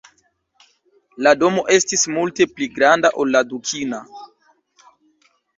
La domo estis multe pli granda ol la dukina.